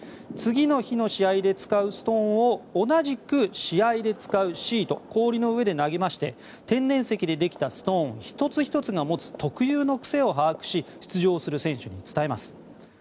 次の日の試合で使うストーンを同じく試合で使うシート氷の上で投げまして天然石でできたストーン１つ１つが持つ特有の癖を把握し出場する選手に伝えます。